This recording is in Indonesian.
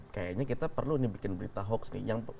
kayaknya kita perlu nih bikin berita hoax nih